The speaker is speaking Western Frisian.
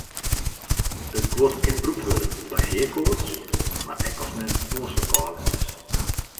It guod kin brûkt wurde by heakoarts mar ek as men noasferkâlden is.